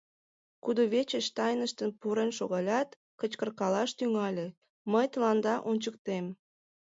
Кудывечыш тайныштын пурен шогалят, кычкыркалаш тӱҥале: «Мый тыланда ончыктем!..»